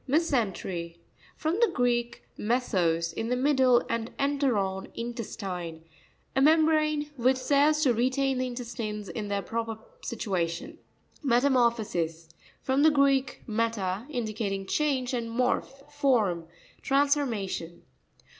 Me'sentery.—From the Greek, me Magical. A hammer. A sos, in the middle, and enteron, in testine. A membrane which serves to retain the intestines in their proper situation. Meramo'rPHosis.—From the Greek, meta, indicating change, and mor phe, form. Transformation.